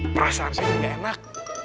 perasaan saya ini gak enak